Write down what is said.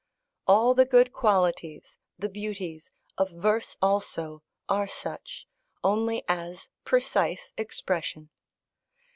All the good qualities, the beauties, of verse also, are such, only as precise expression.